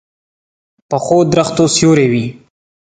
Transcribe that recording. پخو درختو سیوری وي